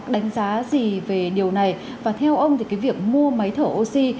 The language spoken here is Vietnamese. để mua bằng được